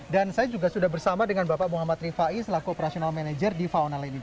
dan saya juga sudah bersama dengan bapak muhammad rifai selaku operasional manager di fauna land ini